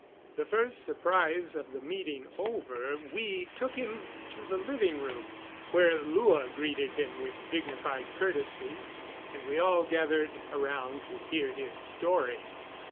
The first surprise of the meeting over, we took him to the living room, where Lua greeted him with dignified courtesy, and we all gathered around to hear his story.